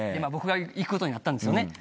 僕が行くことになったんですよね。